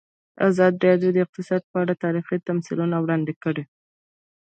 ازادي راډیو د اقتصاد په اړه تاریخي تمثیلونه وړاندې کړي.